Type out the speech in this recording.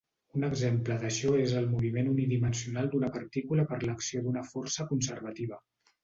Un exemple d'això és el moviment unidimensional d'una partícula per l'acció d'una força conservativa.